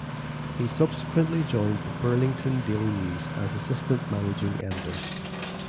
He subsequently joined the "Burlington Daily News" as assistant managing editor.